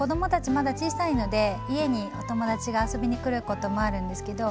まだ小さいので家にお友達が遊びに来ることもあるんですけど私